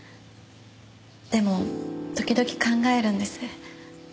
でも時々考えるんです。